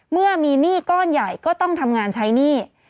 เมื่อมีหนี้ก้อนใหญ่ก็ต้องทำงานใช้หนี้